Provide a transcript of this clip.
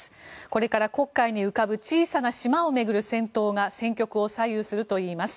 これから、黒海に浮かぶ小さな島を巡る戦闘が戦局を左右するといいます。